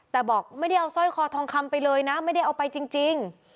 แต่บอกไม่ได้เอาสร้อยคอทองคำไปเลยนะไม่ได้เอาไปจริง